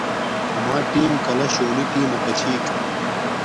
اَمݳ ٹݵم کَلݳ شݸنݵ ٹݵمَکݳ چھݵکݳ.